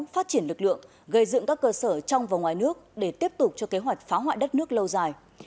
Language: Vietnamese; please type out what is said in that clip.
phát triển lực lượng gây dựng các cơ sở trong và ngoài nước để tiếp tục cho kế hoạch phá hoại đất nước lâu dài